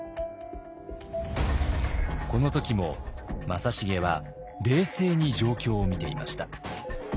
この時も正成は冷静に状況を見ていました。